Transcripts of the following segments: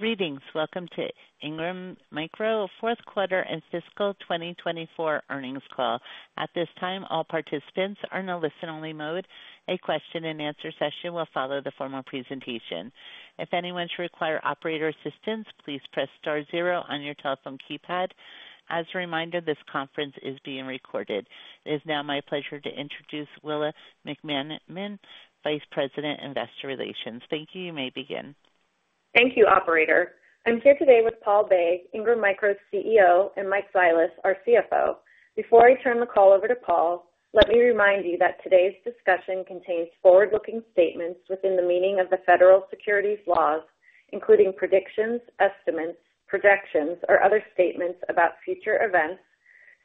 Greetings. Welcome to Ingram Micro fourth quarter and fiscal 2024 earnings call. At this time, all participants are in a listen-only mode. A question-and-answer session will follow the formal presentation. If anyone should require operator assistance, please press star zero on your telephone keypad. As a reminder, this conference is being recorded. It is now my pleasure to introduce Willa McManmon, Vice President, Investor Relations. Thank you. You may begin. Thank you, Operator. I'm here today with Paul Bay, Ingram Micro's CEO, and Mike Zilis, our CFO. Before I turn the call over to Paul, let me remind you that today's discussion contains forward-looking statements within the meaning of the federal securities laws, including predictions, estimates, projections, or other statements about future events,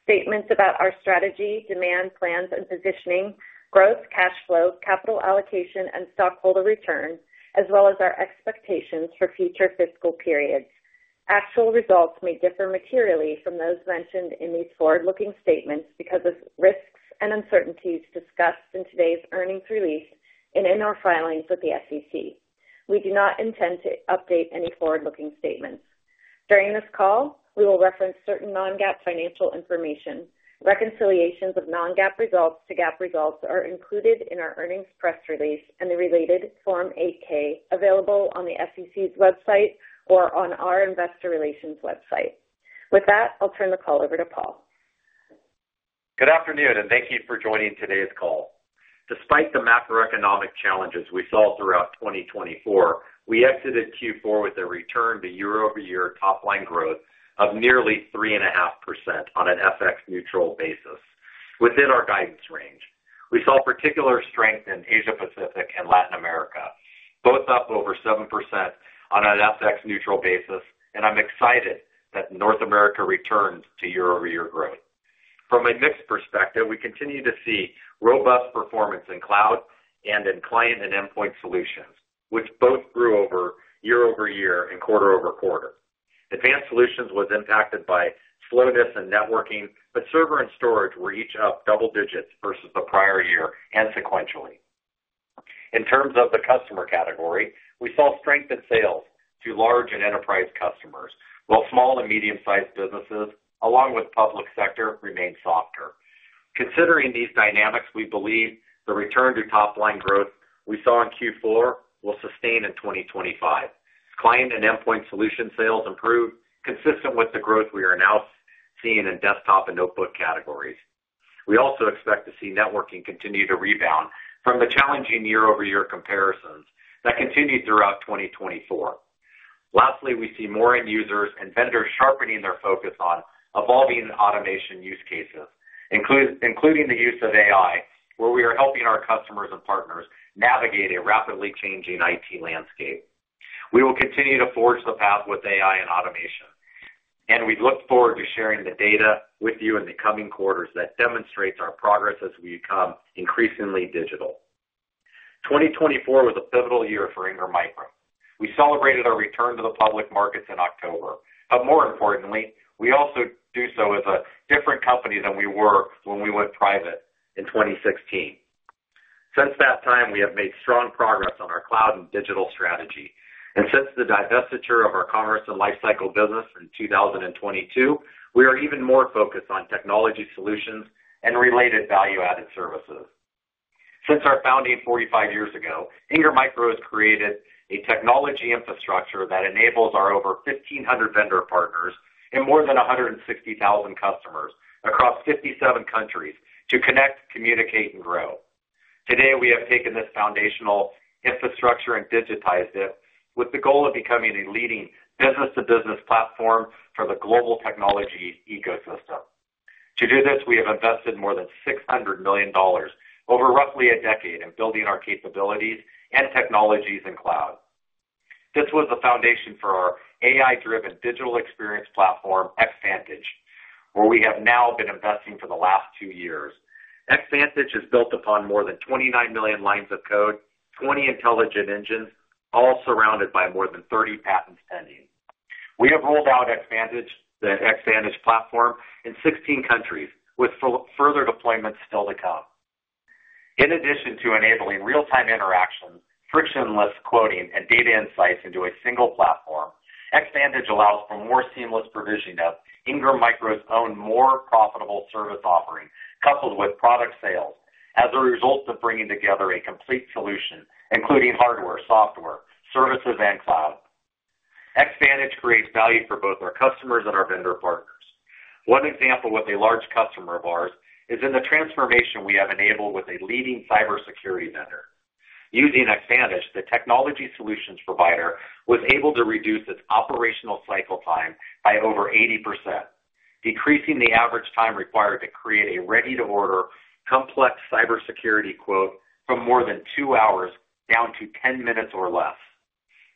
statements about our strategy, demand plans, and positioning, growth, cash flow, capital allocation, and stockholder return, as well as our expectations for future fiscal periods. Actual results may differ materially from those mentioned in these forward-looking statements because of risks and uncertainties discussed in today's earnings release and in our filings with the SEC. We do not intend to update any forward-looking statements. During this call, we will reference certain non-GAAP financial information. Reconciliations of Non-GAAP results to GAAP results are included in our earnings press release and the related Form 8-K available on the SEC's website or on our Investor Relations website. With that, I'll turn the call over to Paul. Good afternoon, and thank you for joining today's call. Despite the macroeconomic challenges we saw throughout 2024, we exited Q4 with a return to year-over-year top-line growth of nearly 3.5% on an FX-neutral basis within our guidance range. We saw particular strength in Asia-Pacific and Latin America, both up over 7% on an FX-neutral basis, and I'm excited that North America returned to year-over-year growth. From a mixed perspective, we continue to see robust performance in Cloud and in Client and Endpoint Solutions, which both grew over year-over-year and quarter-over-quarter. Advanced Solutions were impacted by slowness in networking, but server and storage were each up double digits versus the prior year and sequentially. In terms of the customer category, we saw strength in sales to large and enterprise customers, while small and medium-sized businesses, along with public sector, remained softer. Considering these dynamics, we believe the return to top-line growth we saw in Q4 will sustain in 2025. Client and Endpoint Solutions sales improved, consistent with the growth we are now seeing in desktop and notebook categories. We also expect to see networking continue to rebound from the challenging year-over-year comparisons that continued throughout 2024. Lastly, we see more end users and vendors sharpening their focus on evolving automation use cases, including the use of AI, where we are helping our customers and partners navigate a rapidly changing IT landscape. We will continue to forge the path with AI and automation, and we look forward to sharing the data with you in the coming quarters that demonstrates our progress as we become increasingly digital. 2024 was a pivotal year for Ingram Micro. We celebrated our return to the public markets in October, but more importantly, we also do so as a different company than we were when we went private in 2016. Since that time, we have made strong progress on our cloud and digital strategy, and since the divestiture of our commerce and lifecycle business in 2022, we are even more focused on technology solutions and related value-added services. Since our founding 45 years ago, Ingram Micro has created a technology infrastructure that enables our over 1,500 vendor partners and more than 160,000 customers across 57 countries to connect, communicate, and grow. Today, we have taken this foundational infrastructure and digitized it with the goal of becoming a leading business-to-business platform for the global technology ecosystem. To do this, we have invested more than $600 million over roughly a decade in building our capabilities and technologies in cloud. This was the foundation for our AI-driven digital experience platform, Xvantage, where we have now been investing for the last two years. Xvantage is built upon more than 29 million lines of code, 20 intelligent engines, all surrounded by more than 30 patents pending. We have rolled out Xvantage, the Xvantage platform, in 16 countries, with further deployments still to come. In addition to enabling real-time interaction, frictionless quoting, and data insights into a single platform, Xvantage allows for more seamless provisioning of Ingram Micro's own more profitable service offering, coupled with product sales as a result of bringing together a complete solution, including hardware, software, services, and cloud. Xvantage creates value for both our customers and our vendor partners. One example with a large customer of ours is in the transformation we have enabled with a leading cybersecurity vendor. Using Xvantage, the technology solutions provider was able to reduce its operational cycle time by over 80%, decreasing the average time required to create a ready-to-order complex cybersecurity quote from more than two hours down to 10 minutes or less.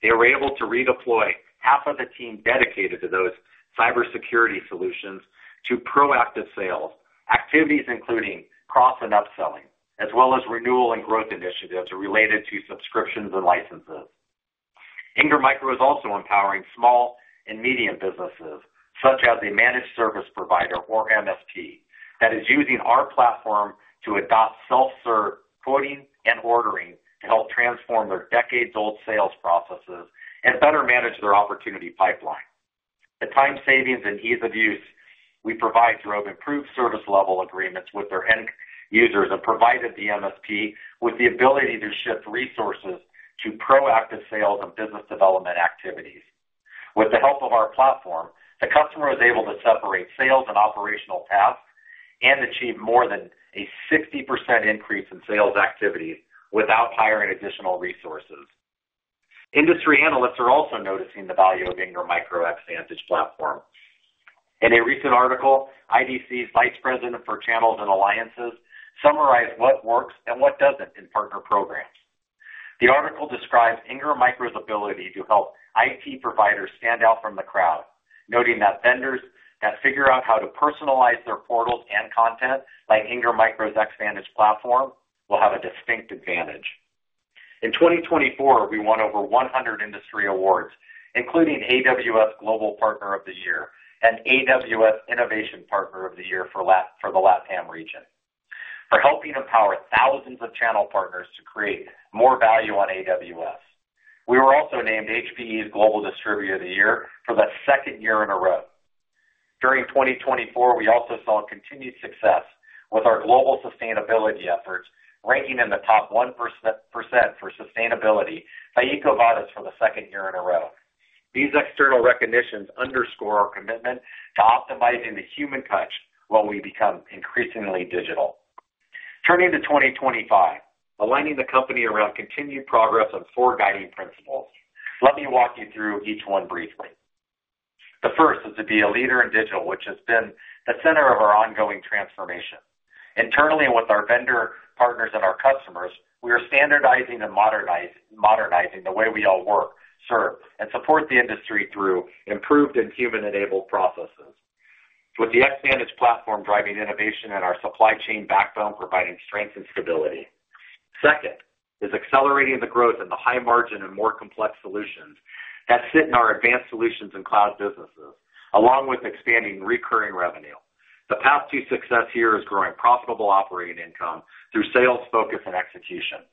They were able to redeploy half of the team dedicated to those cybersecurity solutions to proactive sales activities including cross- and upselling, as well as renewal and growth initiatives related to subscriptions and licenses. Ingram Micro is also empowering small and medium businesses, such as a managed service provider, or MSP, that is using our platform to adopt self-serve quoting and ordering to help transform their decades-old sales processes and better manage their opportunity pipeline. The time savings and ease of use we provide through improved service level agreements with their end users have provided the MSP with the ability to shift resources to proactive sales and business development activities. With the help of our platform, the customer is able to separate sales and operational tasks and achieve more than a 60% increase in sales activities without hiring additional resources. Industry analysts are also noticing the value of Ingram Micro Xvantage platform. In a recent article, IDC's Vice President for Channels and Alliances summarized what works and what doesn't in partner programs. The article describes Ingram Micro's ability to help IT providers stand out from the crowd, noting that vendors that figure out how to personalize their portals and content, like Ingram Micro's Xvantage platform, will have a distinct advantage. In 2024, we won over 100 industry awards, including AWS Global Partner of the Year and AWS Innovation Partner of the Year for the LATAM region, for helping empower thousands of channel partners to create more value on AWS. We were also named HPE's Global Distributor of the Year for the second year in a row. During 2024, we also saw continued success with our global sustainability efforts, ranking in the top 1% for sustainability by EcoVadis for the second year in a row. These external recognitions underscore our commitment to optimizing the human touch while we become increasingly digital. Turning to 2025, aligning the company around continued progress on four guiding principles, let me walk you through each one briefly. The first is to be a leader in digital, which has been the center of our ongoing transformation. Internally, with our vendor partners and our customers, we are standardizing and modernizing the way we all work, serve, and support the industry through improved and human-enabled processes, with the Xvantage platform driving innovation and our supply chain backbone providing strength and stability. Second is accelerating the growth in the high margin and more complex solutions that sit in our advanced solutions and cloud businesses, along with expanding recurring revenue. The path to success here is growing profitable operating income through sales, focus, and execution.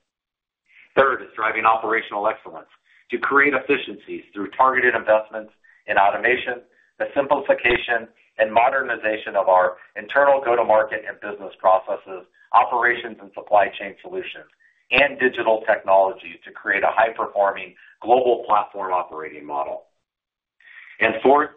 Third is driving operational excellence to create efficiencies through targeted investments in automation, the simplification and modernization of our internal go-to-market and business processes, operations and supply chain solutions, and digital technology to create a high-performing global platform operating model. And fourth,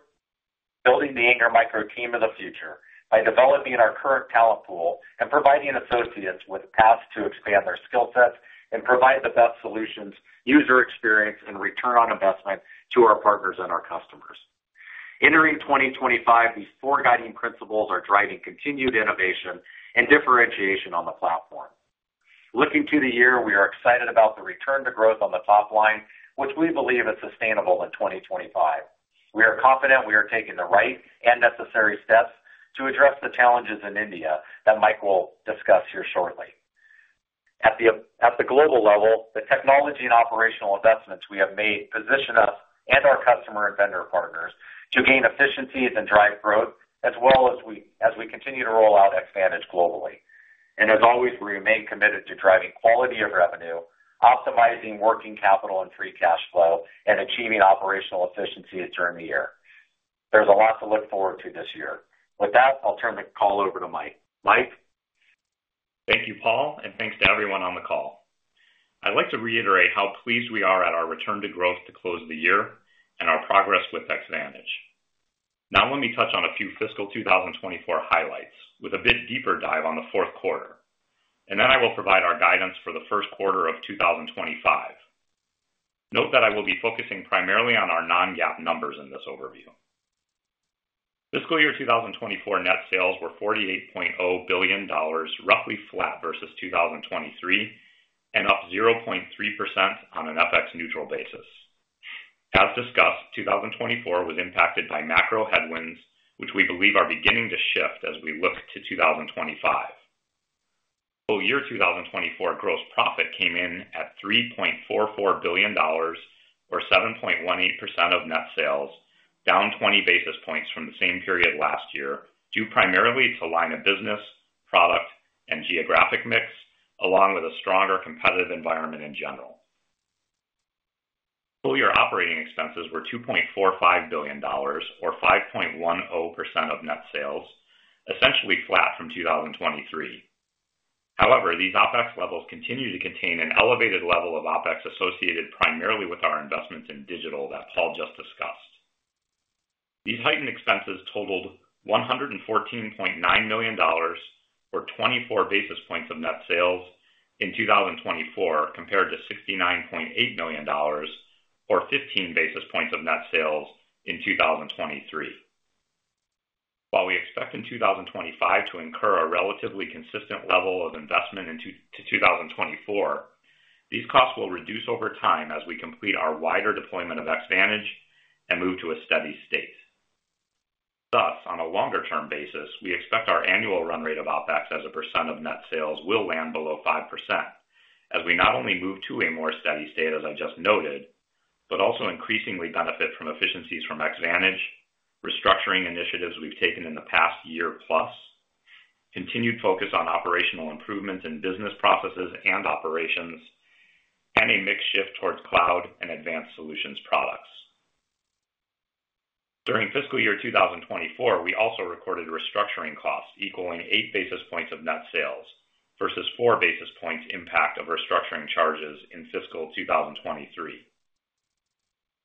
building the Ingram Micro team of the future by developing our current talent pool and providing associates with paths to expand their skill sets and provide the best solutions, user experience, and return on investment to our partners and our customers. Entering 2025, these four guiding principles are driving continued innovation and differentiation on the platform. Looking to the year, we are excited about the return to growth on the top line, which we believe is sustainable in 2025. We are confident we are taking the right and necessary steps to address the challenges in India that Mike will discuss here shortly. At the global level, the technology and operational investments we have made position us and our customer and vendor partners to gain efficiencies and drive growth, as well as we continue to roll out Xvantage globally. And as always, we remain committed to driving quality of revenue, optimizing working capital and free cash flow, and achieving operational efficiencies during the year. There's a lot to look forward to this year. With that, I'll turn the call over to Mike. Mike. Thank you, Paul, and thanks to everyone on the call. I'd like to reiterate how pleased we are at our return to growth to close the year and our progress with Xvantage. Now, let me touch on a few fiscal 2024 highlights with a bit deeper dive on the fourth quarter, and then I will provide our guidance for the first quarter of 2025. Note that I will be focusing primarily on our non-GAAP numbers in this overview. Fiscal year 2024 net sales were $48.0 billion, roughly flat versus 2023, and up 0.3% on an FX-neutral basis. As discussed, 2024 was impacted by macro headwinds, which we believe are beginning to shift as we look to 2025. Year 2024 gross profit came in at $3.44 billion, or 7.18% of net sales, down 20 basis points from the same period last year, due primarily to line of business, product, and geographic mix, along with a stronger competitive environment in general. Full year operating expenses were $2.45 billion, or 5.10% of net sales, essentially flat from 2023. However, these OPEX levels continue to contain an elevated level of OPEX associated primarily with our investments in digital that Paul just discussed. These heightened expenses totaled $114.9 million, or 24 basis points of net sales in 2024, compared to $69.8 million, or 15 basis points of net sales in 2023. While we expect in 2025 to incur a relatively consistent level of investment into 2024, these costs will reduce over time as we complete our wider deployment of Xvantage and move to a steady state. Thus, on a longer-term basis, we expect our annual run rate of OpEx as a percent of net sales will land below 5%, as we not only move to a more steady state, as I just noted, but also increasingly benefit from efficiencies from Xvantage, restructuring initiatives we've taken in the past year plus, continued focus on operational improvements in business processes and operations, and a mixed shift towards cloud and advanced solutions products. During fiscal year 2024, we also recorded restructuring costs equaling 8 basis points of net sales versus 4 basis points impact of restructuring charges in fiscal 2023.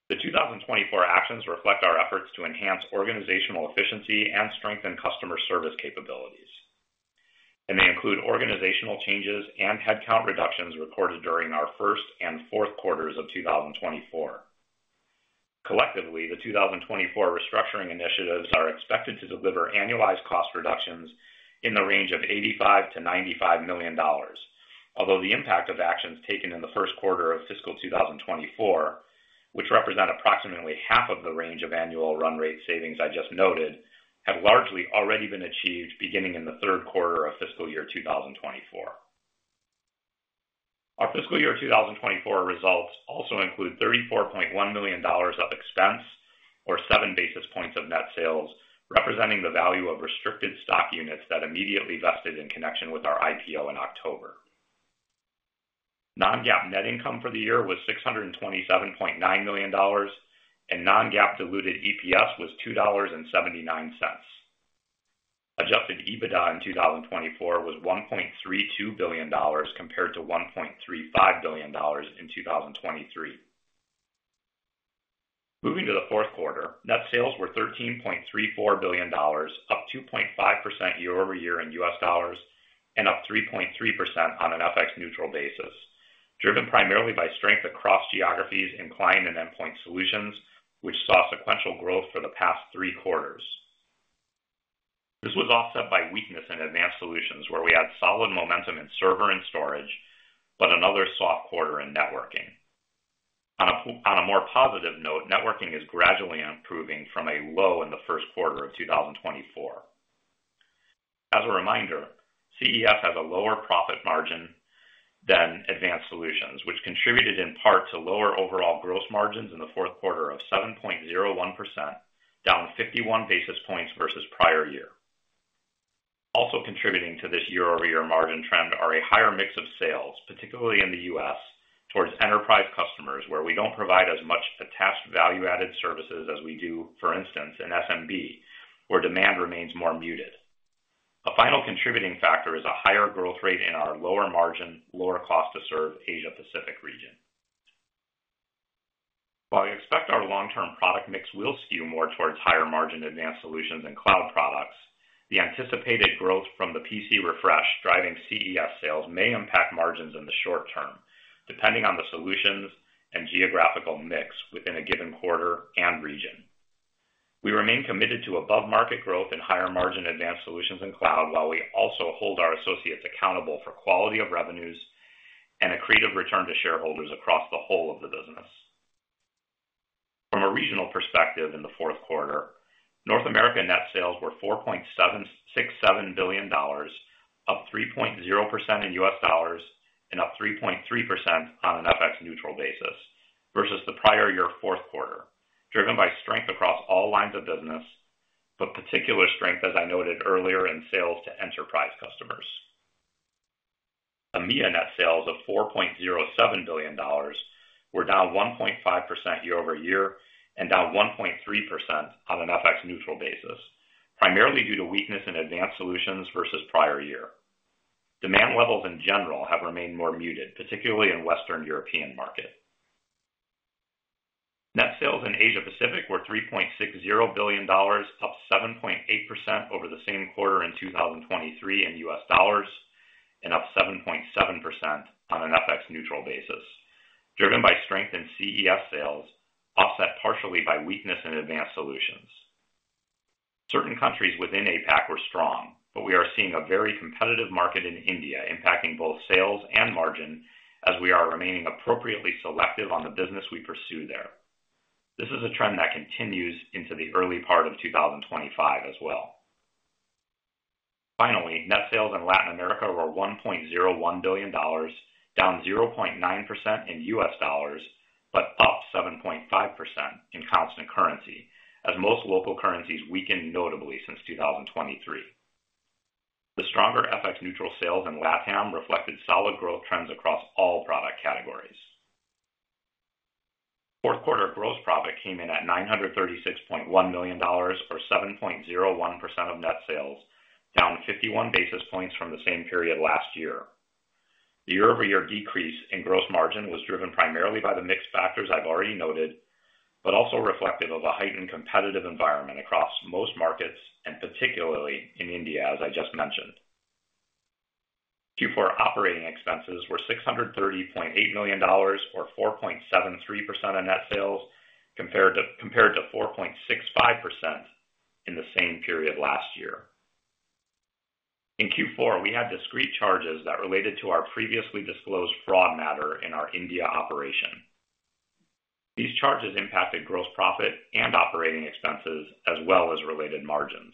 The 2024 actions reflect our efforts to enhance organizational efficiency and strengthen customer service capabilities, and they include organizational changes and headcount reductions recorded during our first and fourth quarters of 2024. Collectively, the 2024 restructuring initiatives are expected to deliver annualized cost reductions in the range of $85-$95 million, although the impact of actions taken in the first quarter of fiscal 2024, which represent approximately half of the range of annual run rate savings I just noted, have largely already been achieved beginning in the third quarter of fiscal year 2024. Our fiscal year 2024 results also include $34.1 million of expense, or 7 basis points of net sales, representing the value of restricted stock units that immediately vested in connection with our IPO in October. Non-GAAP net income for the year was $627.9 million, and non-GAAP diluted EPS was $2.79. Adjusted EBITDA in 2024 was $1.32 billion, compared to $1.35 billion in 2023. Moving to the fourth quarter, net sales were $13.34 billion, up 2.5% year over year in US dollars and up 3.3% on an FX-neutral basis, driven primarily by strength across geographies in client and endpoint solutions, which saw sequential growth for the past three quarters. This was offset by weakness in advanced solutions, where we had solid momentum in server and storage, but another soft quarter in networking. On a more positive note, networking is gradually improving from a low in the first quarter of 2024. As a reminder, CES has a lower profit margin than advanced solutions, which contributed in part to lower overall gross margins in the fourth quarter of 7.01%, down 51 basis points versus prior year. Also contributing to this year-over-year margin trend are a higher mix of sales, particularly in the U.S., towards enterprise customers, where we don't provide as much attached value-added services as we do, for instance, in SMB, where demand remains more muted. A final contributing factor is a higher growth rate in our lower margin, lower cost-to-serve Asia-Pacific region. While we expect our long-term product mix will skew more towards higher margin advanced solutions and cloud products, the anticipated growth from the PC refresh driving CES sales may impact margins in the short term, depending on the solutions and geographical mix within a given quarter and region. We remain committed to above-market growth and higher margin advanced solutions in cloud, while we also hold our associates accountable for quality of revenues and a creative return to shareholders across the whole of the business. From a regional perspective in the fourth quarter, North America net sales were $4.67 billion, up 3.0% in US dollars and up 3.3% on an FX-neutral basis versus the prior year fourth quarter, driven by strength across all lines of business, but particular strength, as I noted earlier, in sales to enterprise customers. EMEA net sales of $4.07 billion were down 1.5% year over year and down 1.3% on an FX-neutral basis, primarily due to weakness in advanced solutions versus prior year. Demand levels in general have remained more muted, particularly in the Western European market. Net sales in Asia-Pacific were $3.60 billion, up 7.8% over the same quarter in 2023 in US dollars and up 7.7% on an FX-neutral basis, driven by strength in CES sales, offset partially by weakness in advanced solutions. Certain countries within APAC were strong, but we are seeing a very competitive market in India impacting both sales and margin, as we are remaining appropriately selective on the business we pursue there. This is a trend that continues into the early part of 2025 as well. Finally, net sales in Latin America were $1.01 billion, down 0.9% in US dollars, but up 7.5% in constant currency, as most local currencies weakened notably since 2023. The stronger FX-neutral sales in LATAM reflected solid growth trends across all product categories. Fourth quarter gross profit came in at $936.1 million, or 7.01% of net sales, down 51 basis points from the same period last year. The year-over-year decrease in gross margin was driven primarily by the mixed factors I've already noted, but also reflective of a heightened competitive environment across most markets, and particularly in India, as I just mentioned. Q4 operating expenses were $630.8 million, or 4.73% of net sales, compared to 4.65% in the same period last year. In Q4, we had discrete charges that related to our previously disclosed fraud matter in our India operation. These charges impacted gross profit and operating expenses, as well as related margins.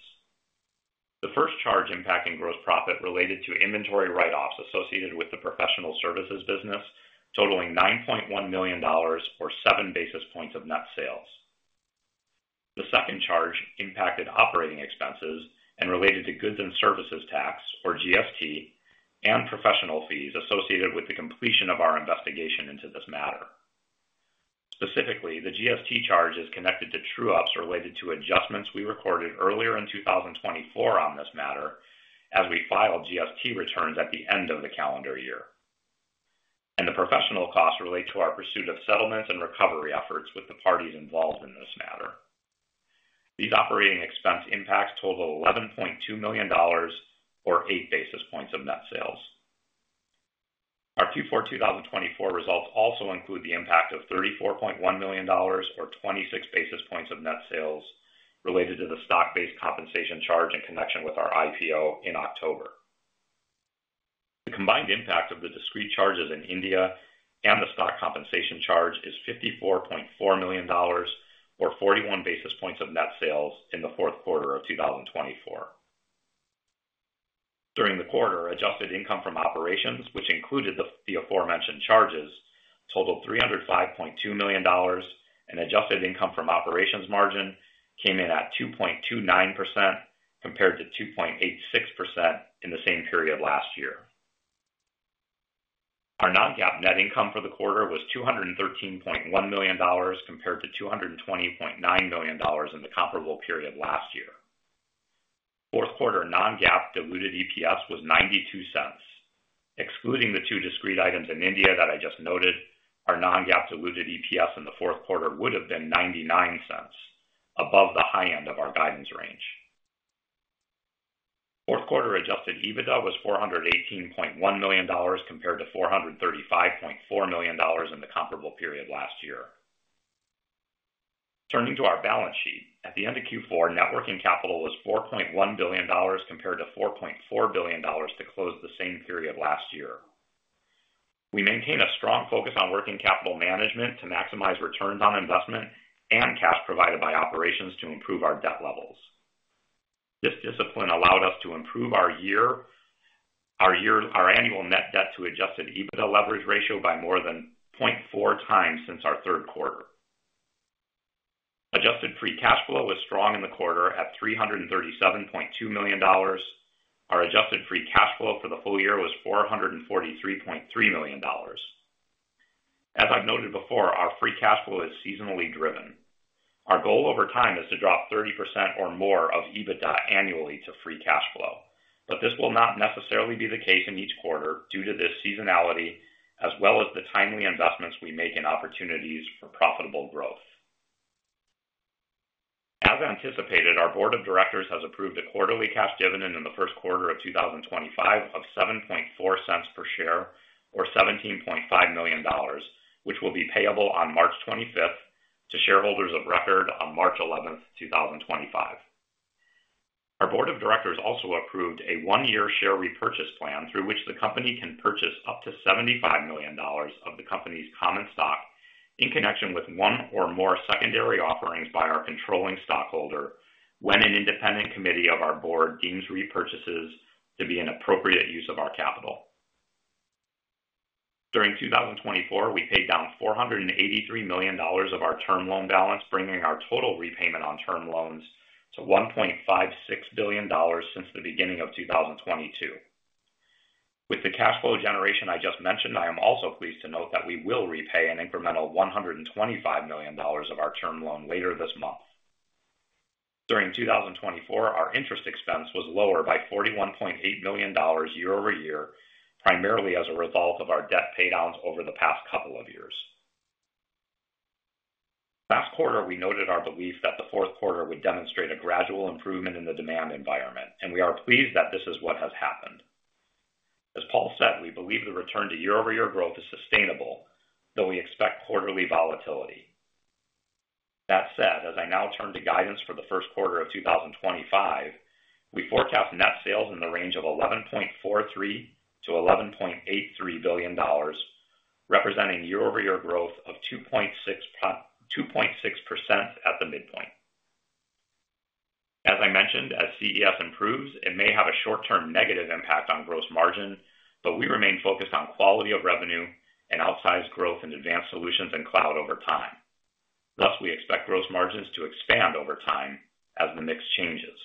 The first charge impacting gross profit related to inventory write-offs associated with the professional services business, totaling $9.1 million, or 7 basis points of net sales. The second charge impacted operating expenses and related to goods and services tax, or GST, and professional fees associated with the completion of our investigation into this matter. Specifically, the GST charge is connected to true-ups related to adjustments we recorded earlier in 2024 on this matter, as we filed GST returns at the end of the calendar year. The professional costs relate to our pursuit of settlements and recovery efforts with the parties involved in this matter. These operating expense impacts total $11.2 million, or 8 basis points of net sales. Our Q4 2024 results also include the impact of $34.1 million, or 26 basis points of net sales, related to the stock-based compensation charge in connection with our IPO in October. The combined impact of the discrete charges in India and the stock compensation charge is $54.4 million, or 41 basis points of net sales in the fourth quarter of 2024. During the quarter, adjusted income from operations, which included the aforementioned charges, totaled $305.2 million, and adjusted income from operations margin came in at 2.29%, compared to 2.86% in the same period last year. Our non-GAAP net income for the quarter was $213.1 million, compared to $220.9 million in the comparable period last year. Fourth quarter non-GAAP diluted EPS was $0.92. Excluding the two discrete items in India that I just noted, our non-GAAP diluted EPS in the fourth quarter would have been $0.99, above the high end of our guidance range. Fourth quarter adjusted EBITDA was $418.1 million, compared to $435.4 million in the comparable period last year. Turning to our balance sheet, at the end of Q4, net working capital was $4.1 billion, compared to $4.4 billion to close the same period last year. We maintain a strong focus on working capital management to maximize returns on investment and cash provided by operations to improve our debt levels. This discipline allowed us to improve our annual net debt to adjusted EBITDA leverage ratio by more than 0.4 times since our third quarter. Adjusted free cash flow was strong in the quarter at $337.2 million. Our adjusted free cash flow for the full year was $443.3 million. As I've noted before, our free cash flow is seasonally driven. Our goal over time is to drop 30% or more of EBITDA annually to free cash flow, but this will not necessarily be the case in each quarter due to this seasonality, as well as the timely investments we make in opportunities for profitable growth. As anticipated, our board of directors has approved a quarterly cash dividend in the first quarter of 2025 of $0.74 per share, or $17.5 million, which will be payable on March 25 to shareholders of record on March 11, 2025. Our board of directors also approved a one-year share repurchase plan through which the company can purchase up to $75 million of the company's common stock in connection with one or more secondary offerings by our controlling stockholder when an independent committee of our board deems repurchases to be an appropriate use of our capital. During 2024, we paid down $483 million of our term loan balance, bringing our total repayment on term loans to $1.56 billion since the beginning of 2022. With the cash flow generation I just mentioned, I am also pleased to note that we will repay an incremental $125 million of our term loan later this month. During 2024, our interest expense was lower by $41.8 million year-over-year, primarily as a result of our debt paydowns over the past couple of years. Last quarter, we noted our belief that the fourth quarter would demonstrate a gradual improvement in the demand environment, and we are pleased that this is what has happened. As Paul said, we believe the return to year-over-year growth is sustainable, though we expect quarterly volatility. That said, as I now turn to guidance for the first quarter of 2025, we forecast net sales in the range of $11.43-$11.83 billion, representing year-over-year growth of 2.6% at the midpoint. As I mentioned, as CES improves, it may have a short-term negative impact on gross margin, but we remain focused on quality of revenue and outsized growth in advanced solutions and cloud over time. Thus, we expect gross margins to expand over time as the mix changes.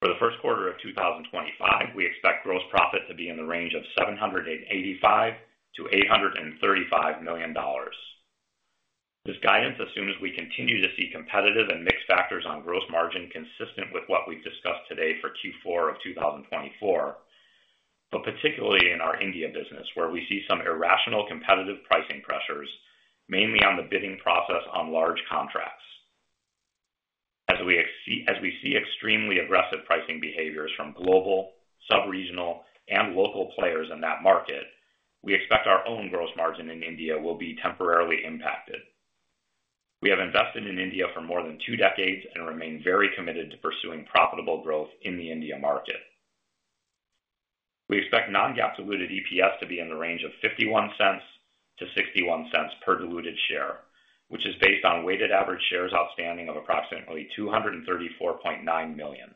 For the first quarter of 2025, we expect gross profit to be in the range of $785-$835 million. This guidance assumes we continue to see competitive and mixed factors on gross margin consistent with what we've discussed today for Q4 of 2024, but particularly in our India business, where we see some irrational competitive pricing pressures, mainly on the bidding process on large contracts. As we see extremely aggressive pricing behaviors from global, sub-regional, and local players in that market, we expect our own gross margin in India will be temporarily impacted. We have invested in India for more than two decades and remain very committed to pursuing profitable growth in the India market. We expect non-GAAP diluted EPS to be in the range of $0.51-$0.61 per diluted share, which is based on weighted average shares outstanding of approximately 234.9 million.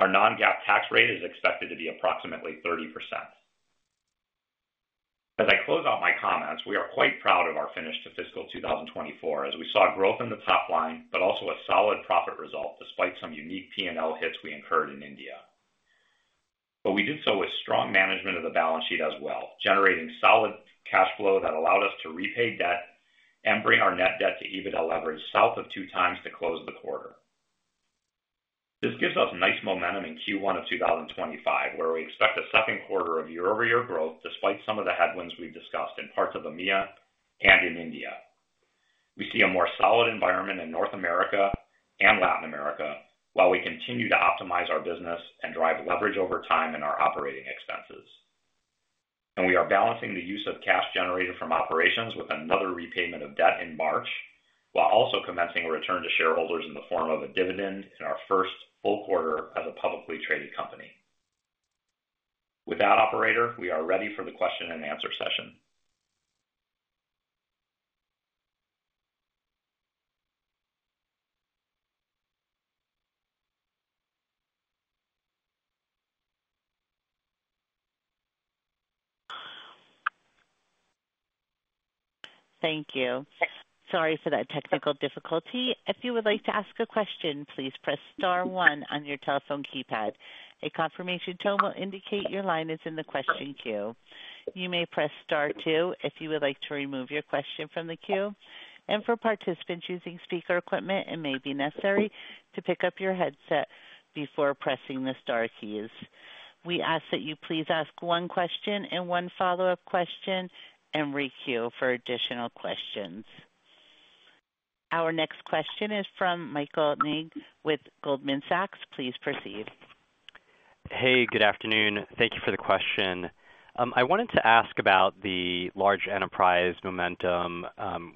Our non-GAAP tax rate is expected to be approximately 30%. As I close out my comments, we are quite proud of our finish to fiscal 2024, as we saw growth in the top line, but also a solid profit result despite some unique P&L hits we incurred in India, but we did so with strong management of the balance sheet as well, generating solid cash flow that allowed us to repay debt and bring our net debt to EBITDA leverage south of two times to close the quarter. This gives us nice momentum in Q1 of 2025, where we expect a second quarter of year-over-year growth despite some of the headwinds we've discussed in parts of EMEA and in India. We see a more solid environment in North America and Latin America, while we continue to optimize our business and drive leverage over time in our operating expenses. We are balancing the use of cash generated from operations with another repayment of debt in March, while also commencing a return to shareholders in the form of a dividend in our first full quarter as a publicly traded company. With that, operator, we are ready for the question and answer session. Thank you. Sorry for that technical difficulty. If you would like to ask a question, please press Star 1 on your telephone keypad. A confirmation tone will indicate your line is in the question queue. You may press Star 2 if you would like to remove your question from the queue. And for participants using speaker equipment, it may be necessary to pick up your headset before pressing the Star keys. We ask that you please ask one question and one follow-up question and re-queue for additional questions. Our next question is from Michael Nagy with Goldman Sachs. Please proceed. Hey, good afternoon. Thank you for the question. I wanted to ask about the large enterprise momentum,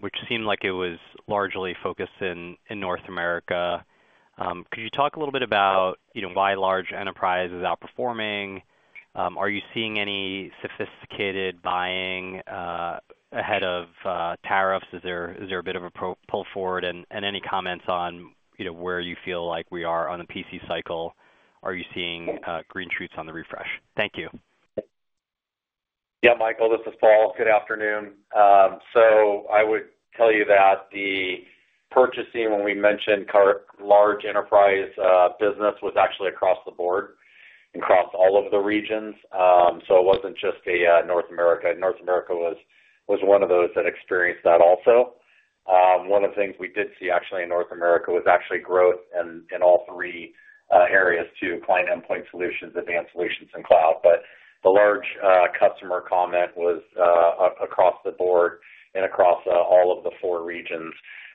which seemed like it was largely focused in North America. Could you talk a little bit about why large enterprise is outperforming? Are you seeing any sophisticated buying ahead of tariffs? Is there a bit of a pull forward? And any comments on where you feel like we are on the PC cycle? Are you seeing green shoots on the refresh? Thank you. Yeah, Michael, this is Paul. Good afternoon. So I would tell you that the purchasing, when we mentioned large enterprise business, was actually across the board and across all of the regions. So it wasn't just North America. North America was one of those that experienced that also. One of the things we did see, actually, in North America was actually growth in all three areas too: client endpoint solutions, advanced solutions, and cloud. But the large customer comment was across the board and across all of the four regions.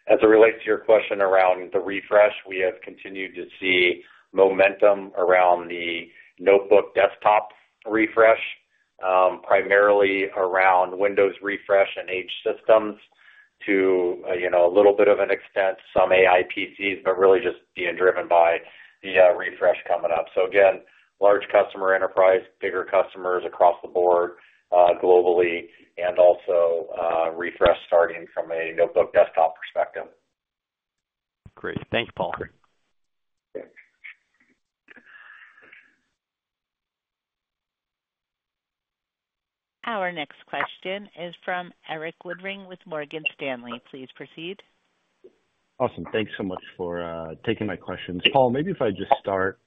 As it relates to your question around the refresh, we have continued to see momentum around the notebook desktop refresh, primarily around Windows refresh and HPE systems to a little bit of an extent, some AI PCs, but really just being driven by the refresh coming up. So again, large customer enterprise, bigger customers across the board globally, and also refresh starting from a notebook desktop perspective. Great. Thank you, Paull. Our next question is from Eric Woodring with Morgan Stanley. Please proceed. Awesome. Thanks so much for taking my questions. Paul, maybe if I just start,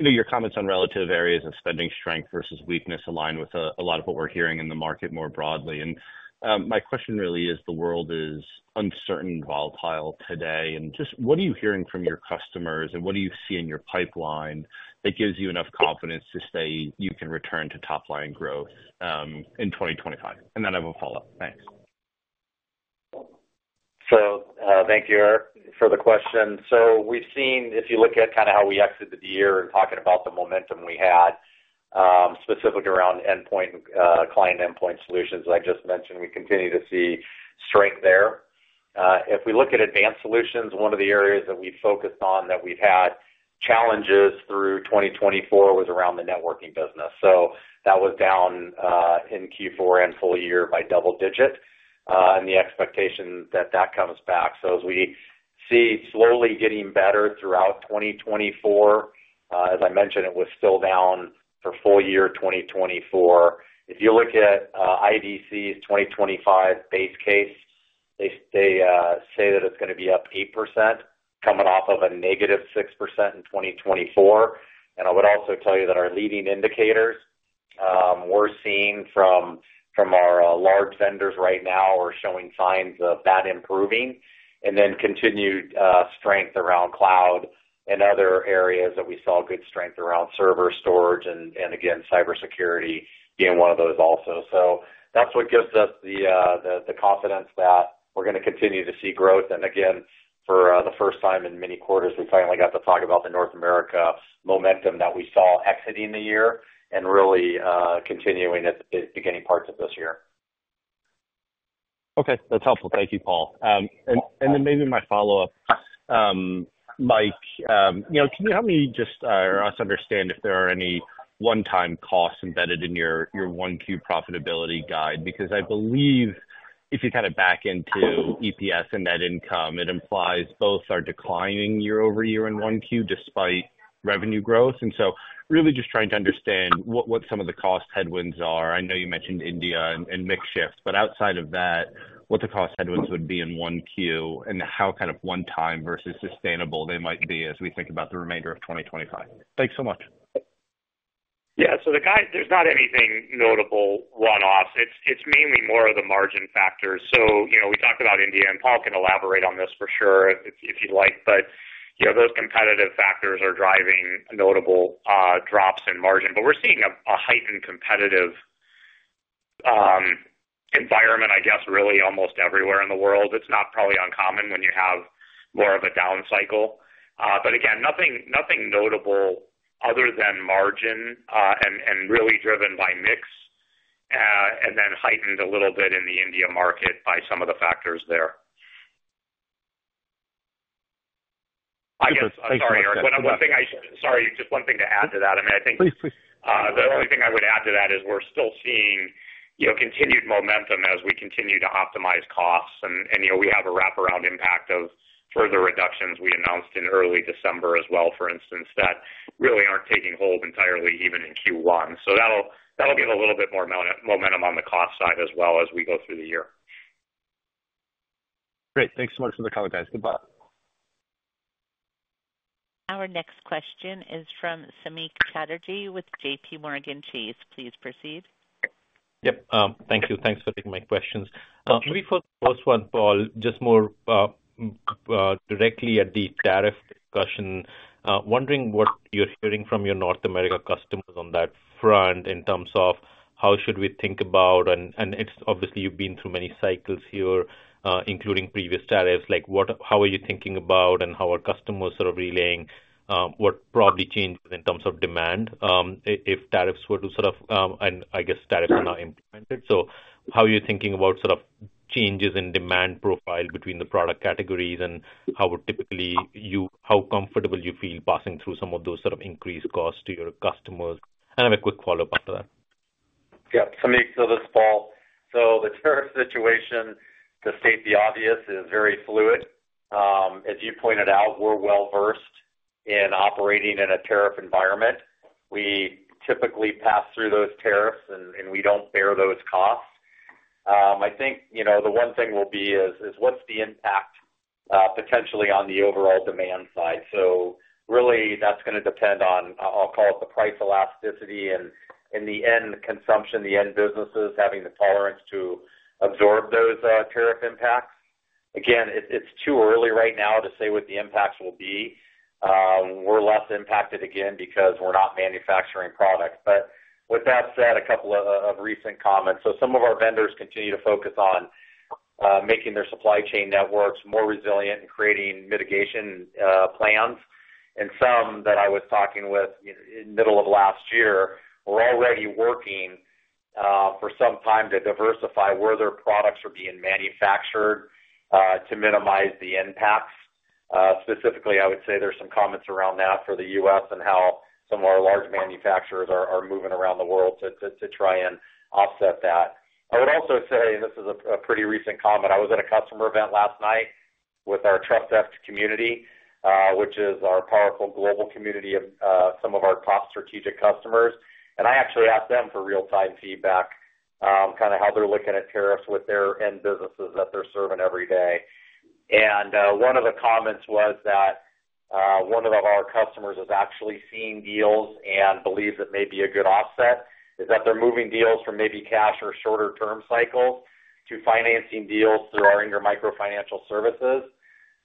your comments on relative areas of spending strength versus weakness align with a lot of what we're hearing in the market more broadly, and my question really is, the world is uncertain and volatile today, and just what are you hearing from your customers, and what do you see in your pipeline that gives you enough confidence to say you can return to top-line growth in 2025, and then I have a follow-up. Thanks. Thank you, Eric, for the question. We've seen, if you look at kind of how we exited the year and talking about the momentum we had specifically around endpoint and client endpoint solutions, as I just mentioned, we continue to see strength there. If we look at advanced solutions, one of the areas that we focused on that we've had challenges through 2024 was around the networking business. That was down in Q4 and full year by double digit, and the expectation that that comes back. As we see slowly getting better throughout 2024, as I mentioned, it was still down for full year 2024. If you look at IDC's 2025 base case, they say that it's going to be up 8% coming off of a negative 6% in 2024. And I would also tell you that our leading indicators we're seeing from our large vendors right now are showing signs of that improving, and then continued strength around cloud and other areas that we saw good strength around server storage and, again, cybersecurity being one of those also. So that's what gives us the confidence that we're going to continue to see growth. And again, for the first time in many quarters, we finally got to talk about the North America momentum that we saw exiting the year and really continuing at the beginning parts of this year. Okay. That's helpful. Thank you, Paul. And then maybe my follow-up, Mike, can you help me just or us understand if there are any one-time costs embedded in your Q1 profitability guide? Because I believe if you kind of back into EPS and net income, it implies both are declining year-over-year in Q1 despite revenue growth. And so really just trying to understand what some of the cost headwinds are. I know you mentioned India and mix shifts, but outside of that, what the cost headwinds would be in Q1 and how kind of one-time versus sustainable they might be as we think about the remainder of 2025. Thanks so much. Yeah. So there's not anything notable one-off. It's mainly more of the margin factors. So we talked about India, and Paul can elaborate on this for sure if you'd like. But those competitive factors are driving notable drops in margin. But we're seeing a heightened competitive environment, I guess, really almost everywhere in the world. It's not probably uncommon when you have more of a down cycle. But again, nothing notable other than margin and really driven by mix and then heightened a little bit in the India market by some of the factors there. Sorry, Eric. Sorry, just one thing to add to that. I mean, I think the only thing I would add to that is we're still seeing continued momentum as we continue to optimize costs. We have a wraparound impact of further reductions we announced in early December as well, for instance, that really aren't taking hold entirely even in Q1. That'll give a little bit more momentum on the cost side as well as we go through the year. Great. Thanks so much for the comment, guys. Goodbye. Our next question is from Samik Chatterjee with JPMorgan Chase. Please proceed. Yep. Thank you. Thanks for taking my questions. Maybe for the first one, Paul, just more directly at the tariff discussion, wondering what you're hearing from your North America customers on that front in terms of how should we think about, and obviously, you've been through many cycles here, including previous tariffs. How are you thinking about and how are customers sort of relaying what probably changes in terms of demand if tariffs were to sort of, and I guess tariffs are now implemented? So how are you thinking about sort of changes in demand profile between the product categories and how comfortable you feel passing through some of those sort of increased costs to your customers? And I have a quick follow-up after that. Yeah. Samik Chatterjee, Paul. So the tariff situation, to state the obvious, is very fluid. As you pointed out, we're well-versed in operating in a tariff environment. We typically pass through those tariffs, and we don't bear those costs. I think the one thing will be is what's the impact potentially on the overall demand side? So really, that's going to depend on, I'll call it the price elasticity and in the end consumption, the end businesses having the tolerance to absorb those tariff impacts. Again, it's too early right now to say what the impacts will be. We're less impacted again because we're not manufacturing products. But with that said, a couple of recent comments. So some of our vendors continue to focus on making their supply chain networks more resilient and creating mitigation plans. And some that I was talking with in the middle of last year were already working for some time to diversify where their products are being manufactured to minimize the impacts. Specifically, I would say there's some comments around that for the U.S. and how some of our large manufacturers are moving around the world to try and offset that. I would also say, and this is a pretty recent comment, I was at a customer event last night with our Trust X Alliance community, which is our powerful global community of some of our top strategic customers. And I actually asked them for real-time feedback, kind of how they're looking at tariffs with their end businesses that they're serving every day. One of the comments was that one of our customers is actually seeing deals and believes it may be a good offset, in that they're moving deals from maybe cash or shorter-term cycles to financing deals through our Micro Financial services.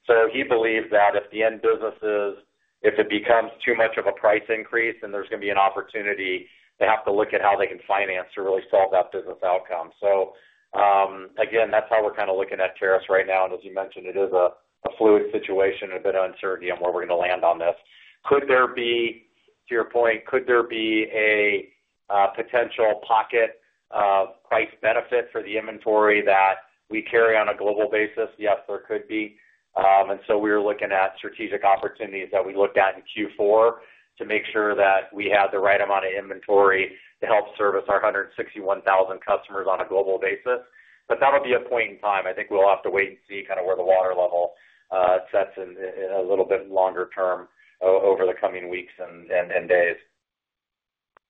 So he believes that if the end businesses, if it becomes too much of a price increase, then there's going to be an opportunity to have to look at how they can finance to really solve that business outcome. So again, that's how we're kind of looking at tariffs right now. And as you mentioned, it is a fluid situation and a bit of uncertainty on where we're going to land on this. Could there be, to your point, could there be a potential pocket of price benefit for the inventory that we carry on a global basis? Yes, there could be. And so we were looking at strategic opportunities that we looked at in Q4 to make sure that we had the right amount of inventory to help service our 161,000 customers on a global basis. But that'll be a point in time. I think we'll have to wait and see kind of where the water level sets in a little bit longer term over the coming weeks and days.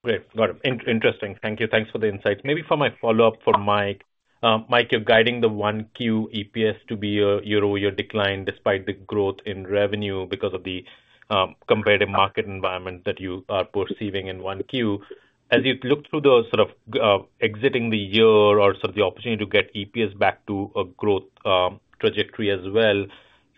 Great. Got it. Interesting. Thank you. Thanks for the insight. Maybe for my follow-up for Mike, Mike, you're guiding the non-GAAP EPS to be a year-over-year decline despite the growth in revenue because of the competitive market environment that you are perceiving in non-GAAP. As you look through those sort of exiting the year or sort of the opportunity to get EPS back to a growth trajectory as well,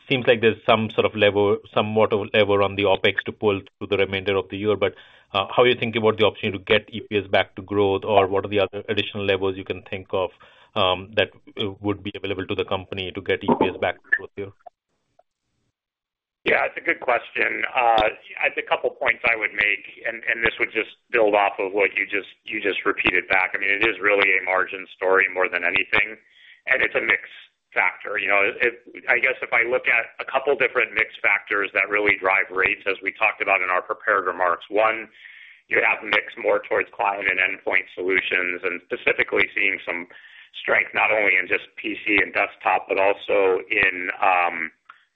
it seems like there's some sort of lever, somewhat of a lever on the OpEx to pull through the remainder of the year. But how do you think about the opportunity to get EPS back to growth, or what are the other additional levers you can think of that would be available to the company to get EPS back to growth here? Yeah, it's a good question. It's a couple of points I would make, and this would just build off of what you just repeated back. I mean, it is really a margin story more than anything, and it's a mixed factor. I guess if I look at a couple of different mixed factors that really drive rates, as we talked about in our prepared remarks, one, you have mix more towards Client and Endpoint Solutions and specifically seeing some strength not only in just PC and desktop, but also in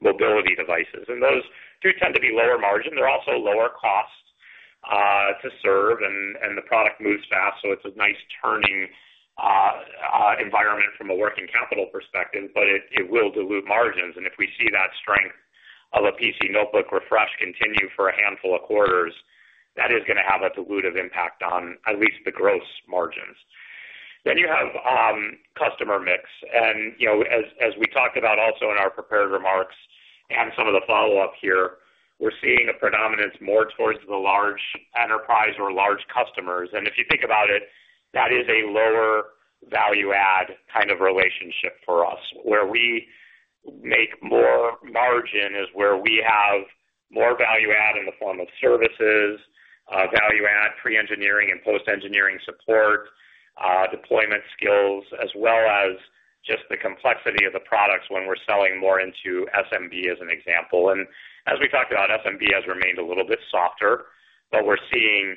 mobility devices, and those do tend to be lower margin. They're also lower cost to serve, and the product moves fast, so it's a nice turning environment from a working capital perspective, but it will dilute margins. And if we see that strength of a PC notebook refresh continue for a handful of quarters, that is going to have a dilutive impact on at least the gross margins. Then you have customer mix. And as we talked about also in our prepared remarks and some of the follow-up here, we're seeing a predominance more towards the large enterprise or large customers. And if you think about it, that is a lower value-add kind of relationship for us. Where we make more margin is where we have more value-add in the form of services, value-add pre-engineering and post-engineering support, deployment skills, as well as just the complexity of the products when we're selling more into SMB as an example. As we talked about, SMB has remained a little bit softer, but we're seeing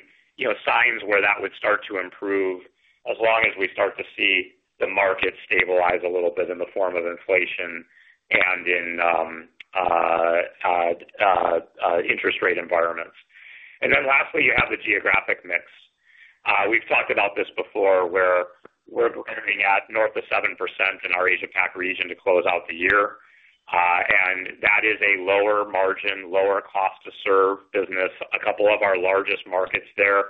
signs where that would start to improve as long as we start to see the market stabilize a little bit in the form of inflation and in interest rate environments. Then lastly, you have the geographic mix. We've talked about this before where we're entering at north of 7% in our Asia-Pac region to close out the year. And that is a lower margin, lower cost-to-serve business. A couple of our largest markets there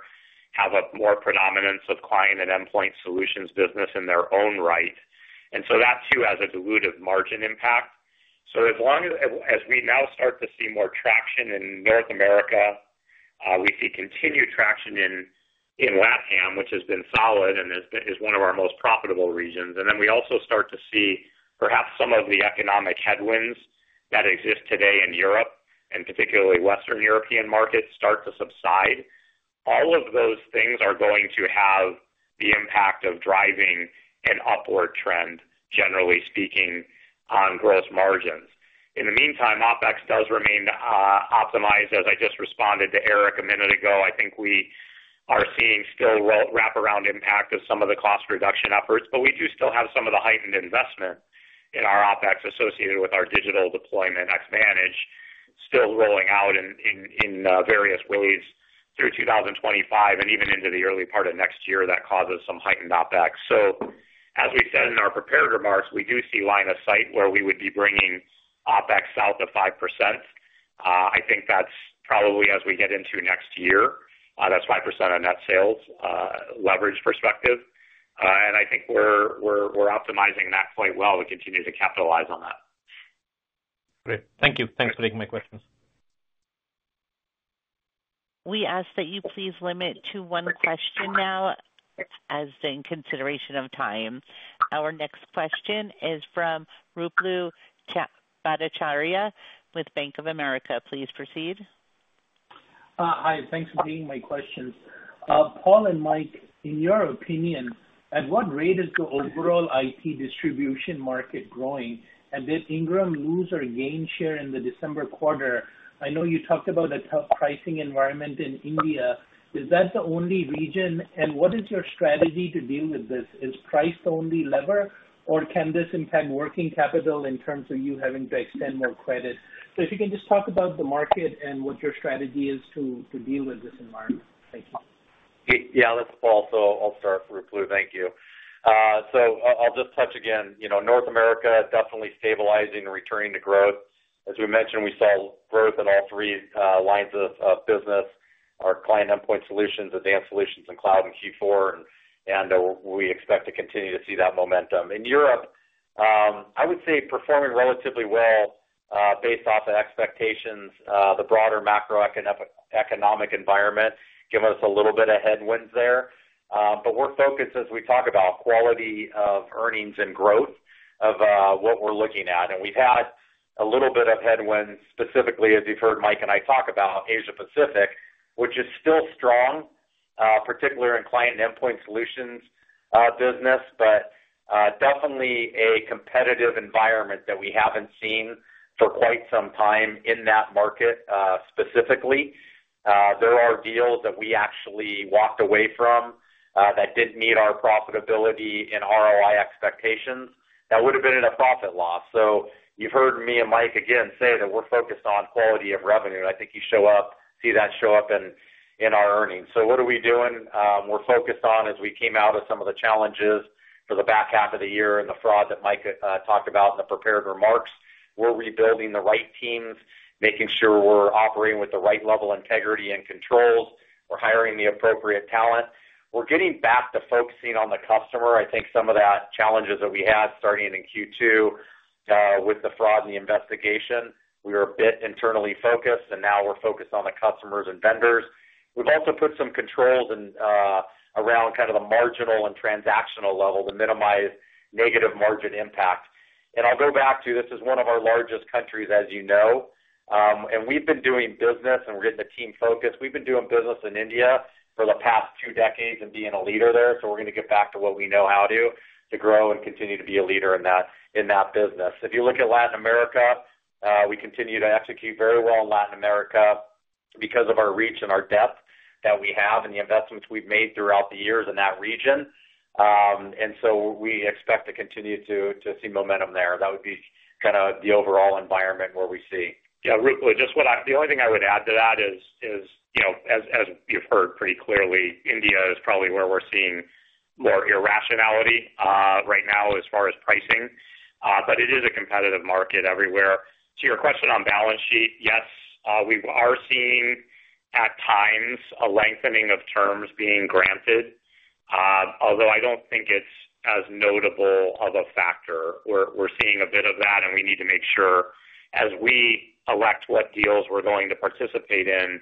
have a more predominance of Client and Endpoint Solutions business in their own right. And so that too has a dilutive margin impact. So as long as we now start to see more traction in North America, we see continued traction in LATAM, which has been solid and is one of our most profitable regions. And then we also start to see perhaps some of the economic headwinds that exist today in Europe and particularly Western European markets start to subside. All of those things are going to have the impact of driving an upward trend, generally speaking, on gross margins. In the meantime, OpEx does remain optimized. As I just responded to Eric a minute ago, I think we are seeing still wraparound impact of some of the cost reduction efforts, but we do still have some of the heightened investment in our OpEx associated with our digital deployment Xvantage still rolling out in various ways through 2025 and even into the early part of next year that causes some heightened OpEx. So as we said in our prepared remarks, we do see line of sight where we would be bringing OpEx out to 5%. I think that's probably as we get into next year. That's 5% on net sales leverage perspective, and I think we're optimizing that quite well and continue to capitalize on that. Great. Thank you. Thanks for taking my questions. We ask that you please limit to one question now as in consideration of time. Our next question is from Ruplu Bhattacharya with Bank of America. Please proceed. Hi. Thanks for taking my questions. Paul and Mike, in your opinion, at what rate is the overall IT distribution market growing? And did Ingram lose or gain share in the December quarter? I know you talked about a tough pricing environment in India. Is that the only region? And what is your strategy to deal with this? Is price the only lever, or can this impact working capital in terms of you having to extend more credit? So if you can just talk about the market and what your strategy is to deal with this environment. Thank you. Yeah, that's Paul. I'll start with Ruplu. Thank you. I'll just touch again. North America definitely stabilizing and returning to growth. As we mentioned, we saw growth in all three lines of business: our client endpoint solutions, advanced solutions, and cloud in Q4, and we expect to continue to see that momentum. In Europe, I would say performing relatively well based off of expectations. The broader macroeconomic environment gave us a little bit of headwinds there. We're focused, as we talk about, quality of earnings and growth of what we're looking at. We've had a little bit of headwinds, specifically as you've heard Mike and I talk about, Asia-Pacific, which is still strong, particularly in client endpoint solutions business, but definitely a competitive environment that we haven't seen for quite some time in that market specifically. There are deals that we actually walked away from that didn't meet our profitability and ROI expectations that would have been in a P&L. So you've heard me and Mike again say that we're focused on quality of revenue. I think you'll see that show up in our earnings. So what are we doing? We're focused on, as we came out of some of the challenges for the back half of the year and the fraud that Mike talked about in the prepared remarks, rebuilding the right teams, making sure we're operating with the right level of integrity and controls. We're hiring the appropriate talent. We're getting back to focusing on the customer. I think some of that challenges that we had starting in Q2 with the fraud and the investigation; we were a bit internally focused, and now we're focused on the customers and vendors. We've also put some controls around kind of the marginal and transactional level to minimize negative margin impact, and I'll go back to this is one of our largest countries, as you know, and we've been doing business, and we're getting the team focused. We've been doing business in India for the past two decades and being a leader there, so we're going to get back to what we know how to do to grow and continue to be a leader in that business. If you look at Latin America, we continue to execute very well in Latin America because of our reach and our depth that we have and the investments we've made throughout the years in that region, and so we expect to continue to see momentum there. That would be kind of the overall environment where we see. Yeah, Ruplu, the only thing I would add to that is, as you've heard pretty clearly, India is probably where we're seeing more irrationality right now as far as pricing, but it is a competitive market everywhere. To your question on balance sheet, yes, we are seeing at times a lengthening of terms being granted, although I don't think it's as notable of a factor. We're seeing a bit of that, and we need to make sure as we select what deals we're going to participate in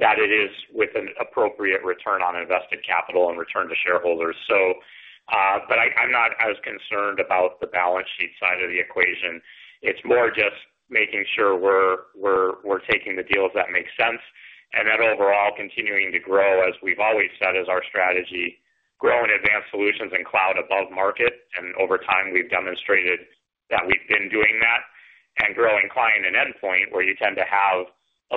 that it is with an appropriate return on invested capital and return to shareholders. But I'm not as concerned about the balance sheet side of the equation. It's more just making sure we're taking the deals that make sense and that overall continuing to grow, as we've always said, is our strategy: grow in advanced solutions and cloud above market. And over time, we've demonstrated that we've been doing that. And growing client and endpoint, where you tend to have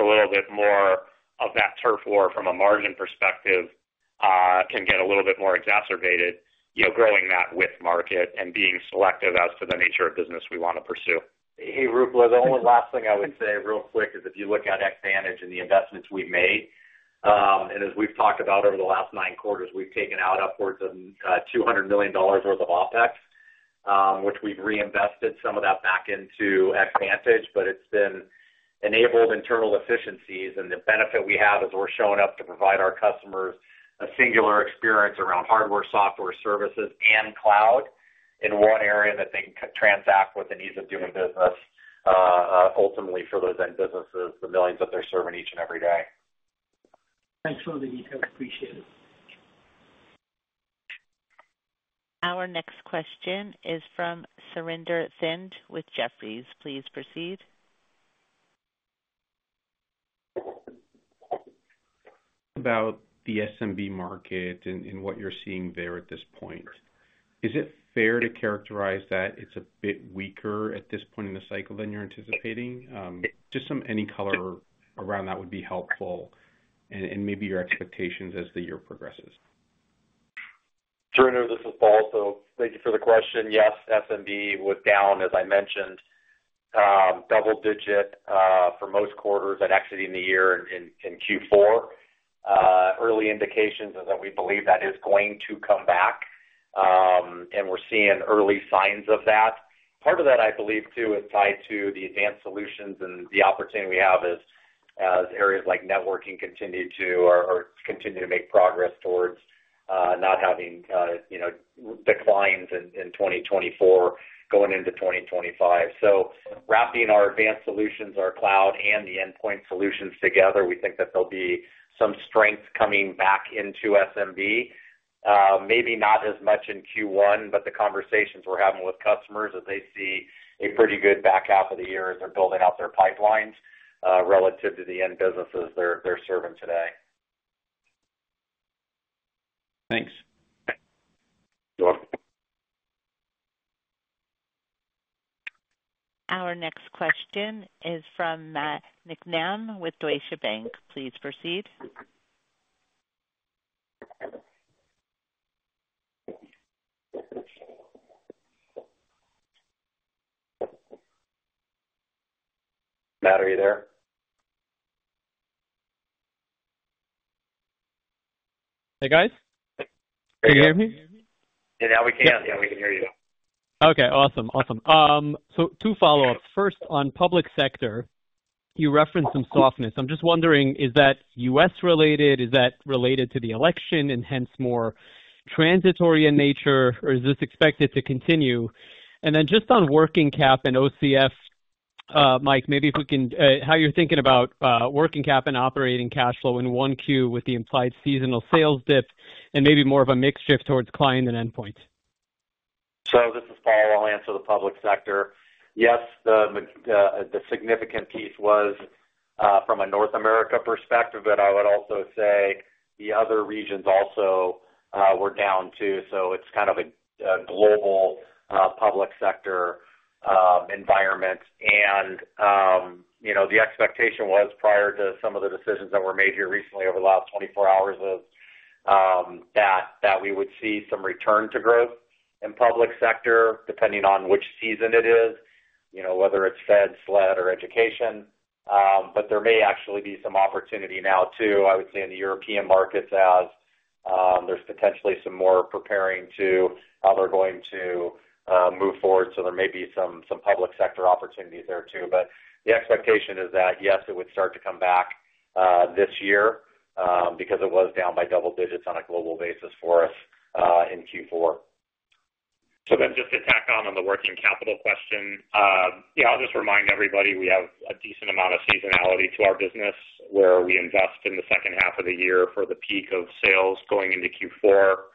a little bit more of that turf war from a margin perspective, can get a little bit more exacerbated, growing that with market and being selective as to the nature of business we want to pursue. Hey, Ruplu, the only last thing I would say real quick is if you look at Xvantage and the investments we've made, and as we've talked about over the last nine quarters, we've taken out upwards of $200 million worth of OpEx, which we've reinvested some of that back into Xvantage, but it's been enabled internal efficiencies. The benefit we have is we're showing up to provide our customers a singular experience around hardware, software, services, and cloud in one area that they can transact with and ease of doing business ultimately for those end businesses, the millions that they're serving each and every day. Thanks for the details. Appreciate it. Our next question is from Surinder Thind with Jefferies. Please proceed. About the SMB market and what you're seeing there at this point, is it fair to characterize that it's a bit weaker at this point in the cycle than you're anticipating? Just any color around that would be helpful and maybe your expectations as the year progresses. Surinder, this is Paul. So thank you for the question. Yes, SMB was down, as I mentioned, double-digit for most quarters and exiting the year in Q4. Early indications are that we believe that is going to come back, and we're seeing early signs of that. Part of that, I believe, too, is tied to the advanced solutions and the opportunity we have as areas like networking continue to make progress towards not having declines in 2024 going into 2025. So wrapping our advanced solutions, our cloud, and the endpoint solutions together, we think that there'll be some strength coming back into SMB. Maybe not as much in Q1, but the conversations we're having with customers as they see a pretty good back half of the year as they're building out their pipelines relative to the end businesses they're serving today. Our next question is from Nick Altmann with Deutsche Bank. Please proceed. Matt, are you there? Hey, guys. Can you hear me? Yeah, now we can. Yeah, we can hear you. Okay. Awesome. Awesome, so two follow-ups. First, on public sector, you referenced some softness. I'm just wondering, is that U.S.-related? Is that related to the election and hence more transitory in nature, or is this expected to continue? And then just on working cap and OCF, Mike, maybe if we can how you're thinking about working cap and operating cash flow in Q1 with the implied seasonal sales dip and maybe more of a mix shift towards client and endpoint. This is Paul. I'll answer the public sector. Yes, the significant piece was from a North America perspective, but I would also say the other regions also were down too. It's kind of a global public sector environment. The expectation was prior to some of the decisions that were made here recently over the last 24 hours that we would see some return to growth in public sector depending on which season it is, whether it's Fed, SLED, or education. But there may actually be some opportunity now too, I would say, in the European markets as there's potentially some more preparing to how they're going to move forward. There may be some public sector opportunities there too. But the expectation is that, yes, it would start to come back this year because it was down by double digits on a global basis for us in Q4. So then just to tack on on the working capital question, yeah, I'll just remind everybody we have a decent amount of seasonality to our business where we invest in the second half of the year for the peak of sales going into Q4.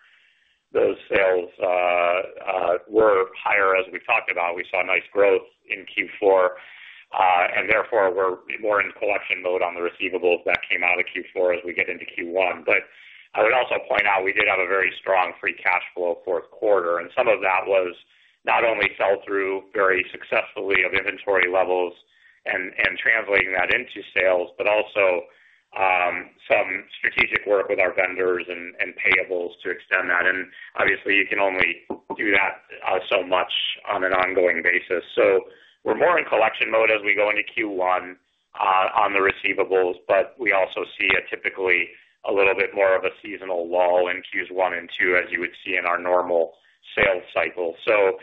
Those sales were higher as we talked about. We saw nice growth in Q4, and therefore we're more in collection mode on the receivables that came out of Q4 as we get into Q1. But I would also point out we did have a very strong free cash flow fourth quarter. And some of that was not only sell-through very successfully of inventory levels and translating that into sales, but also some strategic work with our vendors and payables to extend that. And obviously, you can only do that so much on an ongoing basis. So we're more in collection mode as we go into Q1 on the receivables, but we also see typically a little bit more of a seasonal lull in Q1 and Q2 as you would see in our normal sales cycle. So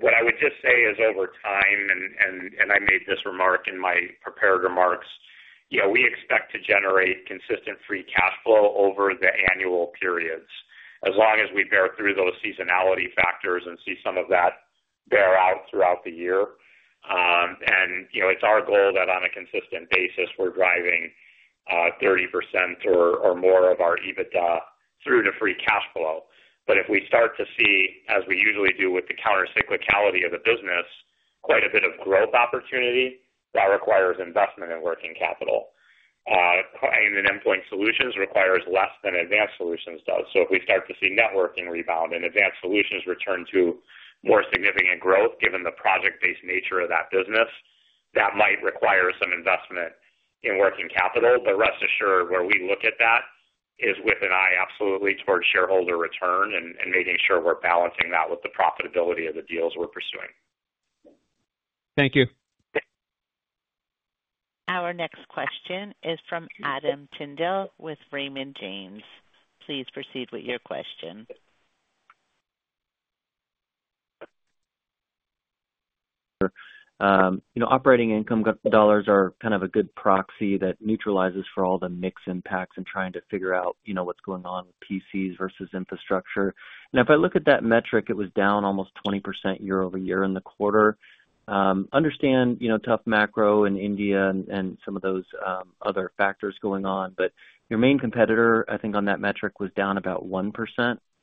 what I would just say is over time, and I made this remark in my prepared remarks, we expect to generate consistent free cash flow over the annual periods as long as we bear through those seasonality factors and see some of that bear out throughout the year. It's our goal that on a consistent basis, we're driving 30% or more of our EBITDA through to free cash flow. If we start to see, as we usually do with the countercyclicality of the business, quite a bit of growth opportunity, that requires investment in working capital. Endpoint solutions requires less than advanced solutions does. If we start to see networking rebound and advanced solutions return to more significant growth given the project-based nature of that business, that might require some investment in working capital. Rest assured, where we look at that is with an eye absolutely towards shareholder return and making sure we're balancing that with the profitability of the deals we're pursuing. Thank you. Our next question is from Adam Tindle with Raymond James. Please proceed with your question. Operating income dollars are kind of a good proxy that neutralizes for all the mixed impacts and trying to figure out what's going on with PCs versus infrastructure. And if I look at that metric, it was down almost 20% year over year in the quarter. Understand tough macro in India and some of those other factors going on. But your main competitor, I think on that metric, was down about 1%.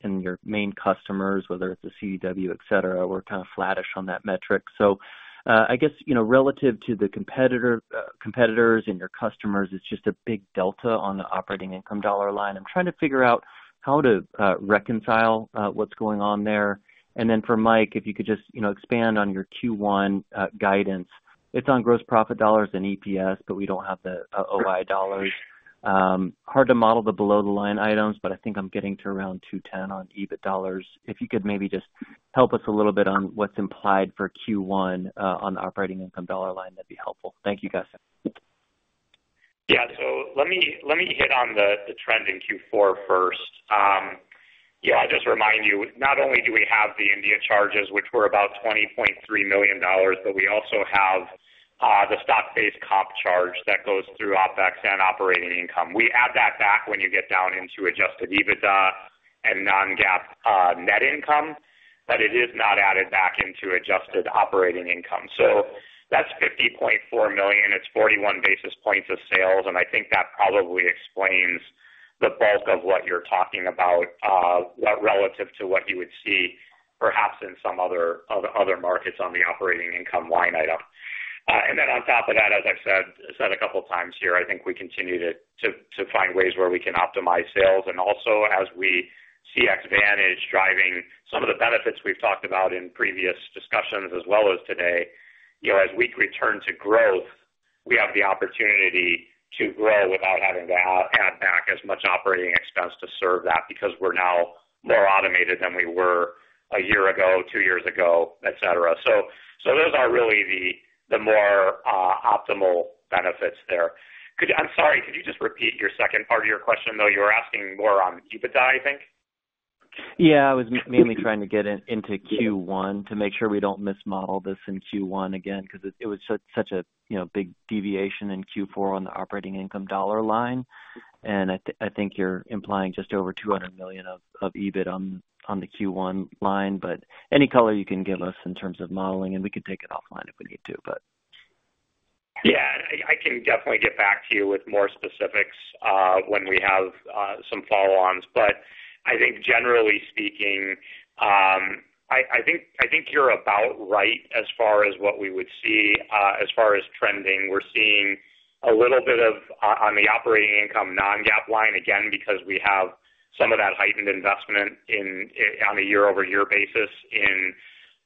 And your main customers, whether it's a CDW, etc., were kind of flattish on that metric. So I guess relative to the competitors and your customers, it's just a big delta on the operating income dollar line. I'm trying to figure out how to reconcile what's going on there. And then for Mike, if you could just expand on your Q1 guidance. It's on gross profit dollars and EPS, but we don't have the OI dollars. Hard to model the below-the-line items, but I think I'm getting to around 210 on EBIT dollars. If you could maybe just help us a little bit on what's implied for Q1 on the operating income dollar line, that'd be helpful. Thank you, guys. Yeah. So let me hit on the trend in Q4 first. Yeah, just remind you, not only do we have the India charges, which were about $20.3 million, but we also have the stock-based comp charge that goes through OpEx and operating income. We add that back when you get down into adjusted EBITDA and non-GAAP net income, but it is not added back into adjusted operating income. So that's $50.4 million. It's 41 basis points of sales. And I think that probably explains the bulk of what you're talking about relative to what you would see perhaps in some other markets on the operating income line item. And then on top of that, as I've said a couple of times here, I think we continue to find ways where we can optimize sales. And also, as we see Xvantage driving some of the benefits we've talked about in previous discussions as well as today, as we return to growth, we have the opportunity to grow without having to add back as much operating expense to serve that because we're now more automated than we were a year ago, two years ago, etc. So those are really the more optimal benefits there. I'm sorry, could you just repeat your second part of your question, though? You were asking more on EBITDA, I think. Yeah. I was mainly trying to get into Q1 to make sure we don't mismodel this in Q1 again because it was such a big deviation in Q4 on the operating income dollar line. And I think you're implying just over 200 million of EBIT on the Q1 line. But any color you can give us in terms of modeling, and we could take it offline if we need to, but. Yeah. I can definitely get back to you with more specifics when we have some follow-ons. But I think, generally speaking, I think you're about right as far as what we would see. As far as trending, we're seeing a little bit off on the operating income non-GAAP line, again, because we have some of that heightened investment on a year-over-year basis in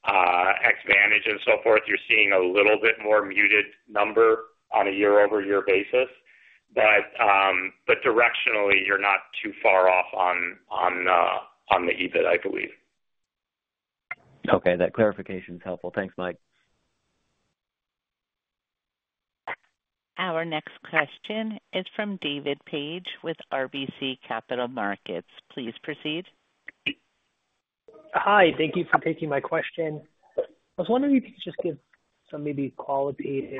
Xvantage and so forth. You're seeing a little bit more muted number on a year-over-year basis. But directionally, you're not too far off on the EBIT, I believe. Okay. That clarification is helpful. Thanks, Mike. Our next question is from David Paige with RBC Capital Markets. Please proceed. Hi. Thank you for taking my question. I was wondering if you could just give some maybe qualitative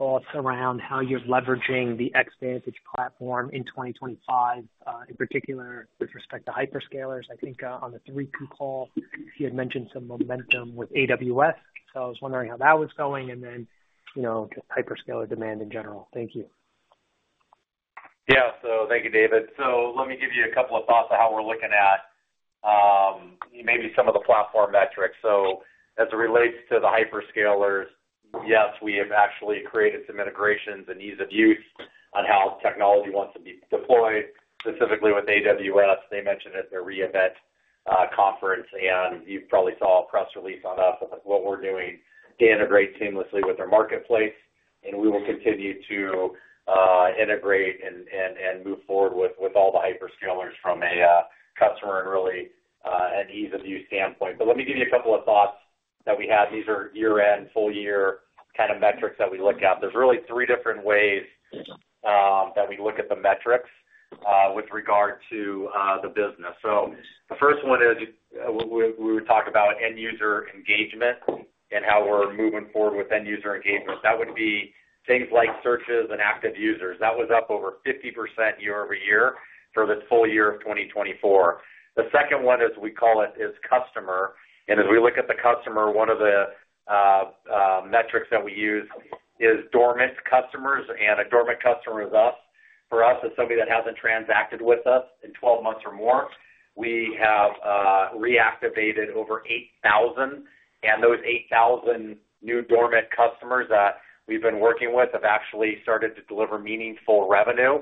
thoughts around how you're leveraging the Xvantage platform in 2025, in particular with respect to hyperscalers. I think on the Q3 call, you had mentioned some momentum with AWS. So I was wondering how that was going and then just hyperscaler demand in general. Thank you. Yeah, so thank you, David, so let me give you a couple of thoughts on how we're looking at maybe some of the platform metrics, so as it relates to the hyperscalers, yes, we have actually created some integrations and ease of use on how technology wants to be deployed. Specifically with AWS, they mentioned at their re:Invent conference, and you probably saw a press release on us of what we're doing to integrate seamlessly with their marketplace, and we will continue to integrate and move forward with all the hyperscalers from a customer and really an ease-of-use standpoint, but let me give you a couple of thoughts that we have. These are year-end, full-year kind of metrics that we look at. There's really three different ways that we look at the metrics with regard to the business. So the first one is we would talk about end-user engagement and how we're moving forward with end-user engagement. That would be things like searches and active users. That was up over 50% year over year for the full year of 2024. The second one, as we call it, is customer. And as we look at the customer, one of the metrics that we use is dormant customers. And a dormant customer is us. For us, as somebody that hasn't transacted with us in 12 months or more, we have reactivated over 8,000. And those 8,000 new dormant customers that we've been working with have actually started to deliver meaningful revenue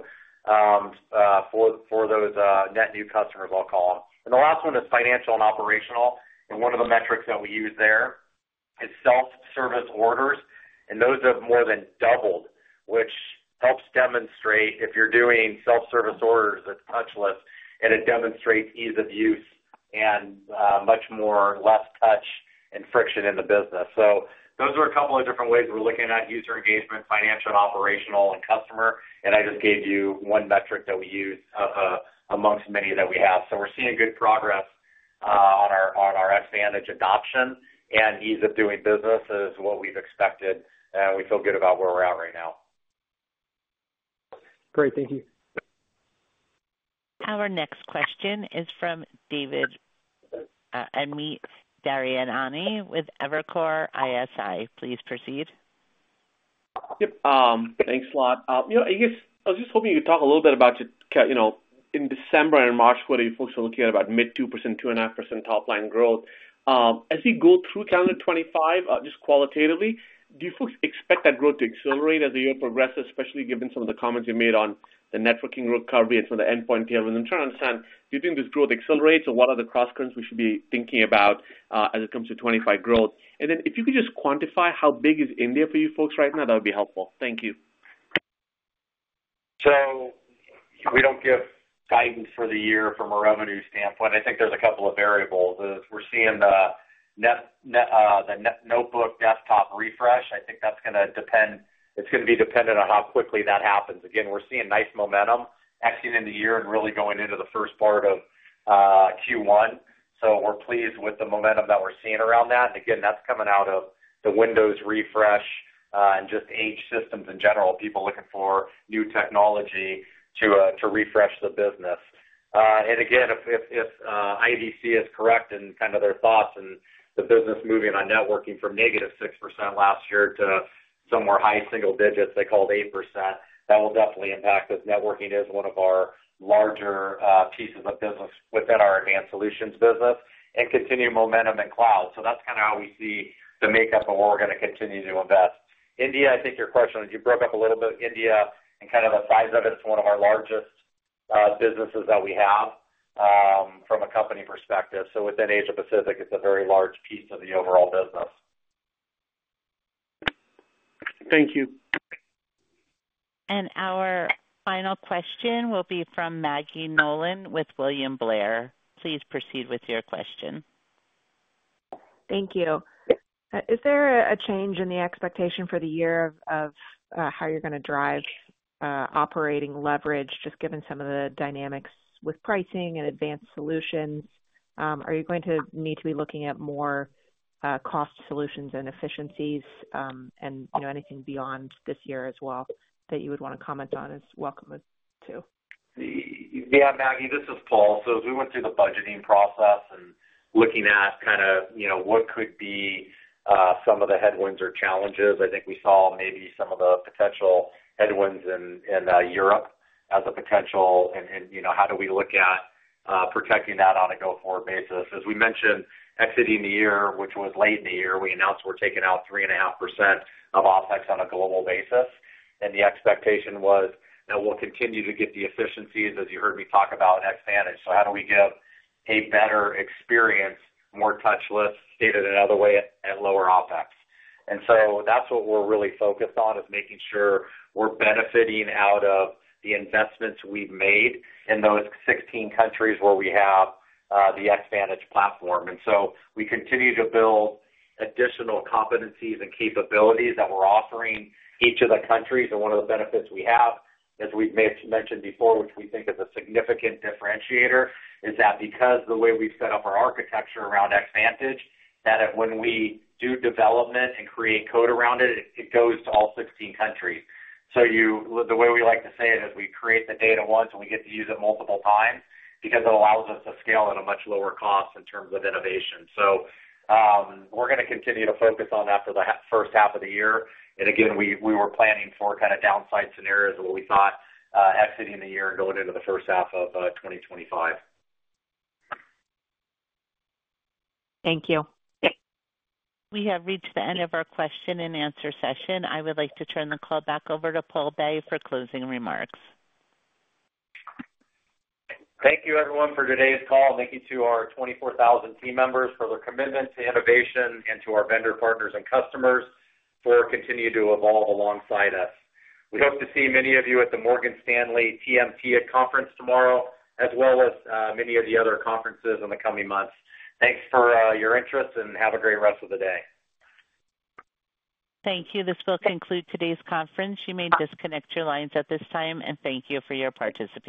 for those net new customers, I'll call them. And the last one is financial and operational. And one of the metrics that we use there is self-service orders. And those have more than doubled, which helps demonstrate if you're doing self-service orders that touchless, and it demonstrates ease of use and much more less touch and friction in the business. So those are a couple of different ways we're looking at user engagement, financial, and operational, and customer. And I just gave you one metric that we use among many that we have. So we're seeing good progress on our Xvantage adoption and ease of doing business is what we've expected. And we feel good about where we're at right now. Great. Thank you. Our next question is from Amit Daryanani with Evercore ISI. Please proceed. Yep. Thanks, Paul. I guess I was just hoping you could talk a little bit about in December and March, what are you folks looking at about mid 2%, 2.5% top-line growth. As we go through calendar 2025, just qualitatively, do you folks expect that growth to accelerate as the year progresses, especially given some of the comments you made on the networking recovery and some of the endpoint payments? I'm trying to understand, do you think this growth accelerates, or what are the cross currents we should be thinking about as it comes to 2025 growth? And then if you could just quantify how big is India for you folks right now, that would be helpful. Thank you. So we don't give guidance for the year from a revenue standpoint. I think there's a couple of variables. We're seeing the notebook desktop refresh. I think that's going to depend. It's going to be dependent on how quickly that happens. Again, we're seeing nice momentum exiting the year and really going into the first part of Q1. So we're pleased with the momentum that we're seeing around that. Again, that's coming out of the Windows refresh and just aged systems in general, people looking for new technology to refresh the business. And again, if IDC is correct in kind of their thoughts and the business moving on networking from negative 6% last year to somewhere high single digits, they called 8%, that will definitely impact us. Networking is one of our larger pieces of business within our advanced solutions business and continued momentum in cloud. So that's kind of how we see the makeup of where we're going to continue to invest. India, I think your question. You broke up a little bit. India and kind of the size of it is one of our largest businesses that we have from a company perspective. So within Asia-Pacific, it's a very large piece of the overall business. Thank you. Our final question will be from Maggie Nolan with William Blair. Please proceed with your question. Thank you. Is there a change in the expectation for the year of how you're going to drive operating leverage, just given some of the dynamics with pricing and advanced solutions? Are you going to need to be looking at more cost solutions and efficiencies, and anything beyond this year as well that you would want to comment on is welcome, too? Yeah, Maggie, this is Paul. So as we went through the budgeting process and looking at kind of what could be some of the headwinds or challenges, I think we saw maybe some of the potential headwinds in Europe as a potential, and how do we look at protecting that on a go-forward basis? As we mentioned, exiting the year, which was late in the year, we announced we're taking out 3.5% of OpEx on a global basis. And the expectation was that we'll continue to get the efficiencies, as you heard me talk about, Xvantage. So how do we give a better experience, more touchless, stated another way, and lower OpEx? And so that's what we're really focused on, is making sure we're benefiting out of the investments we've made in those 16 countries where we have the Xvantage platform. And so we continue to build additional competencies and capabilities that we're offering each of the countries. And one of the benefits we have, as we've mentioned before, which we think is a significant differentiator, is that because the way we've set up our architecture around Xvantage, that when we do development and create code around it, it goes to all 16 countries. So the way we like to say it is we create the data once, and we get to use it multiple times because it allows us to scale at a much lower cost in terms of innovation. So we're going to continue to focus on that for the first half of the year. And again, we were planning for kind of downside scenarios that we thought exiting the year and going into the first half of 2025. Thank you. We have reached the end of our question and answer session. I would like to turn the call back over to Paul Bay for closing remarks. Thank you, everyone, for today's call. Thank you to our 24,000 team members for their commitment to innovation and to our vendor partners and customers for continuing to evolve alongside us. We hope to see many of you at the Morgan Stanley TMTA conference tomorrow, as well as many of the other conferences in the coming months. Thanks for your interest, and have a great rest of the day. Thank you. This will conclude today's conference. You may disconnect your lines at this time, and thank you for your participation.